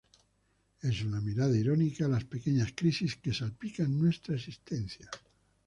Es una mirada irónica a las pequeñas crisis que salpican nuestra existencia.